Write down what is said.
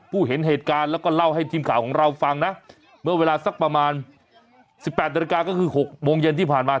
เห็นเหตุการณ์แล้วก็เล่าให้ทีมข่าวของเราฟังนะเมื่อเวลาสักประมาณ๑๘นาฬิกาก็คือ๖โมงเย็นที่ผ่านมา